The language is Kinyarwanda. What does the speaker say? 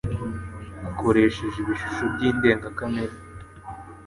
akoresheje ibishuko byi ndengakamere